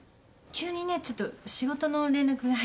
急にねちょっと仕事の連絡が入っちゃって。